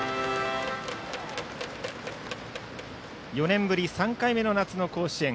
４年ぶり３回目の夏の甲子園。